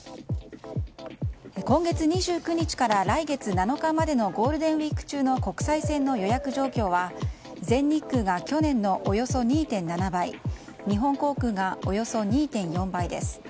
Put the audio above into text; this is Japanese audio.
今月２９日から来月７日までのゴールデンウィーク中の国際線の予約状況は全日空が去年のおよそ２．７倍日本航空がおよそ２．４倍です。